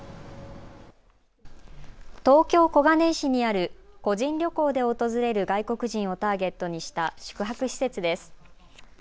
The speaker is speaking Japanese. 東京小金井市にある個人旅行で訪れる外国人をターゲットにした宿泊施設です。